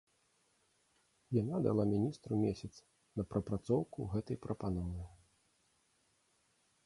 Яна дала міністру месяц на прапрацоўку гэтай прапановы.